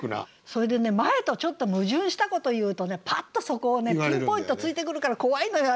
それでね前とちょっと矛盾したことを言うとねパッとそこをピンポイント突いてくるから怖いのよ